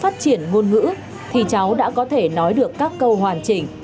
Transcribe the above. các mức phát triển ngôn ngữ thì cháu đã có thể nói được các câu hoàn chỉnh